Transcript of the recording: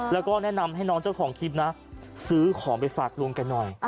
แนะนำให้น้องเจ้าของคลิปนะซื้อของไปฝากลวงกันหน่อย